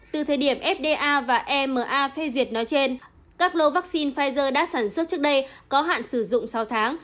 từ thời điểm fda và ema phê duyệt nói trên các lô vaccine pfizer đã sản xuất trước đây có hạn sử dụng sáu tháng